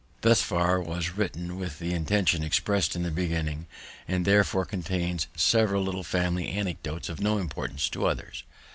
Mem°. Thus far was written with the intention express'd in the beginning and therefore contains several little family anecdotes of no importance to others.